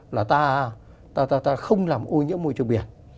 là ta không làm ôi những môi trường biển